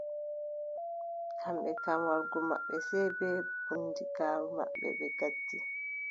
Kamɓe kam warugo maɓɓe sey bee bundigaaru maɓɓe ɓe ngaddi.